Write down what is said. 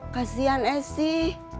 kasian es sih